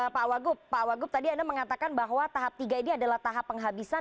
pak wagu pak wagu tadi anda mengatakan bahwa tahap tiga ini adalah tahap penghasilan